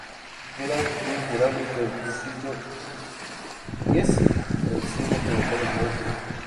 Quedan pinturas murales del siglo X en el extremo occidental del muro interior.